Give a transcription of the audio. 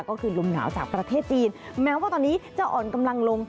ก็คือลมหนาวจากประเทศจีนแม้ว่าตอนนี้จะอ่อนกำลังลง